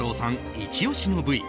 イチ押しの部位